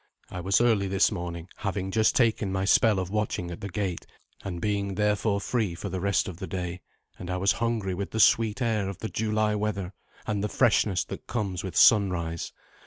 I was early this morning, having just taken my spell of watching at the gate, and being, therefore, free for the rest of the day, and I was hungry with the sweet air of the July weather and the freshness that comes with sunrise.